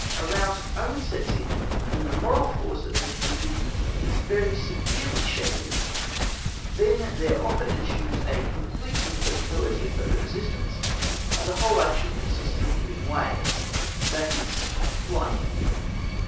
A rout only sets in when the moral force of the defeated is very severely shaken then there often ensues a complete incapability of further resistance, and the whole action consists of giving way, that is of flight.